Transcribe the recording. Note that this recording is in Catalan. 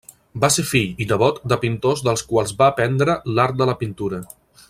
Va ser fill i nebot de pintors dels quals va aprendre l'art de la pintura.